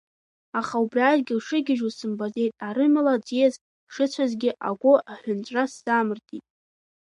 Аха убри адгьыл шыгьежьуаз сымбаӡеит арымала, аӡиас шыцәазгьы агәы аҳәынҵәра сзамыртит…